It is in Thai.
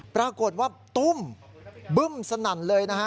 ปรากฏว่าตุ้มบึ้มสนั่นเลยนะฮะ